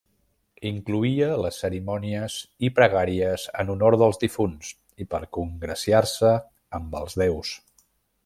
Incloïa les cerimònies i pregàries en honor dels difunts i per congraciar-se amb els déus.